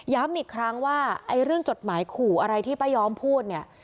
อีกครั้งว่าไอ้เรื่องจดหมายขู่อะไรที่ป้าย้อมพูดเนี่ย